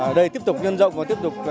ở đây tiếp tục nhân rộng và tiếp tục